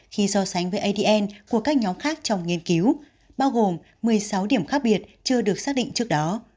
khi so sánh với adn của các nhóm khác trong nghiên cứu bao gồm một mươi sáu điểm khác biệt chưa được xác định trước đó